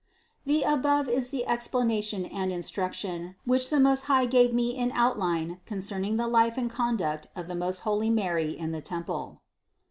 The above is the explanation and instruction, which the Most High gave me in outline concerning the life and conduct of the most holy Mary in the temple.